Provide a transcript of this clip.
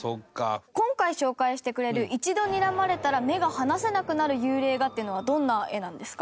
今回紹介してくれる一度にらまれたら目が離せなくなる幽霊画っていうのはどんな絵なんですか？